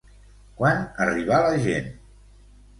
Quan arribà la gent?